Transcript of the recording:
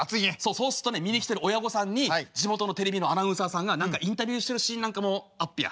そうすっとね見に来てる親御さんに地元のテレビのアナウンサーさんが何かインタビューしてるシーンなんかもあっぺや。